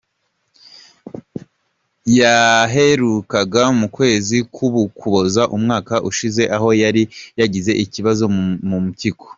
Yaherukagayo mu kwezi kw’ukuboza umwaka ushize, aho yari yagize ikibazo mu mpyiko.